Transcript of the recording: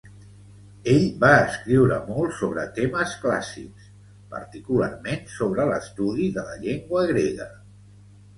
Ell va escriure molt sobre temes clàssics, particularment sobre l'estudi de la llengua grega.